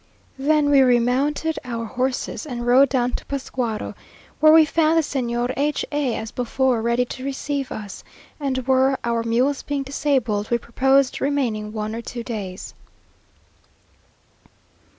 Then we remounted our horses, and rode down into Pascuaro, where we found the Señora H a as before, ready to receive us, and where, our mules being disabled, we proposed remaining one or two days.